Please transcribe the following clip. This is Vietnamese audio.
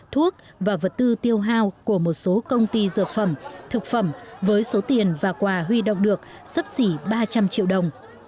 thuốc và vật tư tiêu hao của một số công ty dược phẩm thực phẩm với số tiền và quà huy động được sắp xỉ ba trăm linh triệu đồng